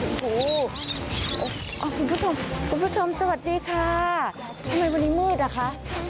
โอ้โหคุณผู้ชมคุณผู้ชมสวัสดีค่ะทำไมวันนี้มืดอ่ะคะ